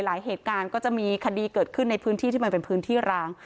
เหตุการณ์ก็จะมีคดีเกิดขึ้นในพื้นที่ที่มันเป็นพื้นที่ร้าง